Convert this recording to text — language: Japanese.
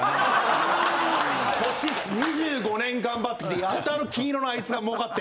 こっち２５年頑張ってきてやっと金色のあいつが儲かって。